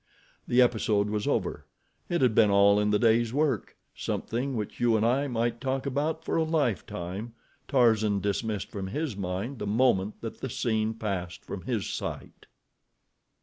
The episode was over. It had been all in the day's work—something which you and I might talk about for a lifetime Tarzan dismissed from his mind the moment that the scene passed from his sight.